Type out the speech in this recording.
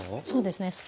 そうですね